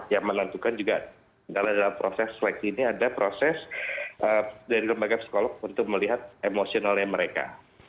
yang menentukan juga dalam proses seleksi ini ada proses dari lembaga psikolog untuk melihat emosionalnya mereka